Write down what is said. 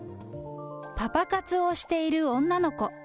パパ活をしている女の子。